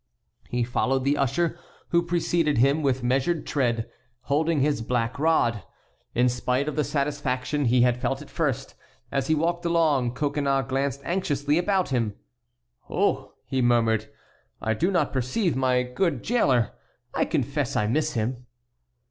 He followed the usher, who preceded him with measured tread, holding his black rod. In spite of the satisfaction he had felt at first, as he walked along Coconnas glanced anxiously about him. "Oh!" he murmured, "I do not perceive my good jailer. I confess I miss him."